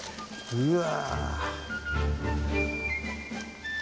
うわ。